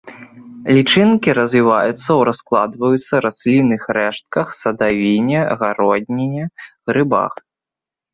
Лічынкі развіваюцца ў раскладаюцца раслінных рэштках, садавіне, гародніне, грыбах.